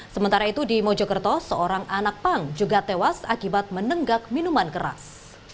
sementara itu di mojokerto seorang anak pang juga tewas akibat menenggak minuman keras